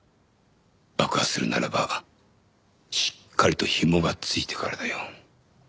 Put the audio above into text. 爆破するならばしっかりと紐がついてからだよ。